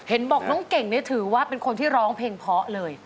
บอกน้องเก่งเนี่ยถือว่าเป็นคนที่ร้องเพลงเพาะเลย